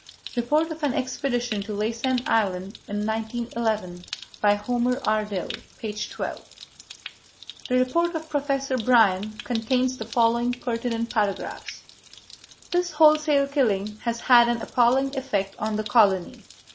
"—(Report of an Expedition to Laysan Island in 1911. By Homer R. Dill, page 12.) The report of Professor Bryan contains the following pertinent paragraphs: "This wholesale killing has had an appalling effect on the colony....